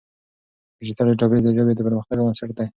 ډیجیټل ډیټابیس د ژبې د پرمختګ بنسټ دی.